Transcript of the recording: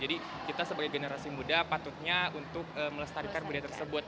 jadi kita sebagai generasi muda patutnya untuk melestarikan budaya tersebut